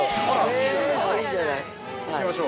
◆いきましょう。